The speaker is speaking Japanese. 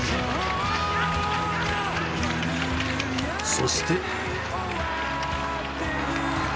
そして。